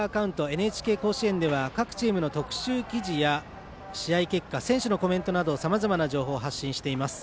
ＮＨＫ甲子園では各チームの特集記事や試合結果、選手のコメントなどさまざまな情報を発信しています。